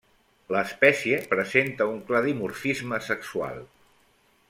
L'espècie presenta un clar dimorfisme sexual.